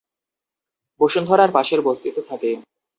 বসুন্ধরার পাশের বস্তিতে থাকে।